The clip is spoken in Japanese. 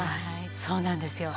そうなんですよ。